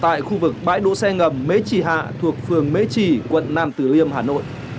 tại khu vực bãi đỗ xe ngầm mễ trì hạ thuộc phường mễ trì quận nam tử liêm hà nội